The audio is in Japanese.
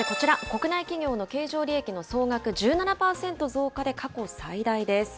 国内企業の経常利益の総額１７％増加で過去最大です。